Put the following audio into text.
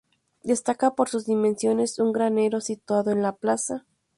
Destaca por sus dimensiones un granero situado en la plaza.